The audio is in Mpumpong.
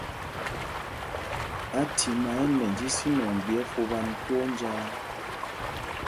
Athimá ɛ nɛnj isínɔŋ ɓyɛ́ fupan twóó njāā.